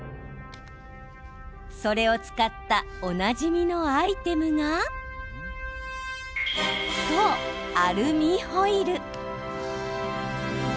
それを使ったおなじみのアイテムがそう、アルミホイル。